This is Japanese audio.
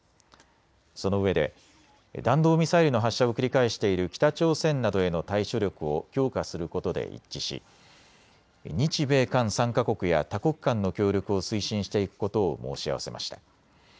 そのうえで弾道ミサイルの発射を繰り返している北朝鮮などへの対処力を強化することで一致し日米韓３か国や多国間の協力を推進していくことを申し合わせました。